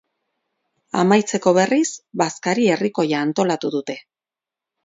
Amaitzeko, berriz, bazkari herrikoia antolatu dute.